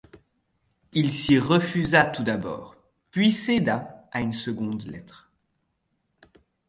Il s'y refusa tout d'abord, puis céda à une seconde lettre.